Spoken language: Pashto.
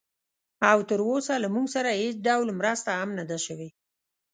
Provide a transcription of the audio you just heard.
او تراوسه له موږ سره هېڅ ډول مرسته هم نه ده شوې